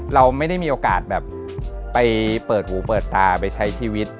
เราไม่ได้มีโอกาสแบบไปเปิดหูเปิดตาไปใช้ชีวิต